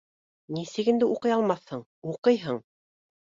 — Нисек инде уҡый алмаҫһың? Уҡыйһың.